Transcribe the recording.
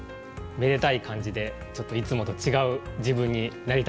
めでたい感じでちょっといつもと違う自分になりたくてまいりました。